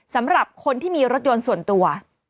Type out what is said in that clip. สำหรับคนที่มีรถยนต์ส่วนตัว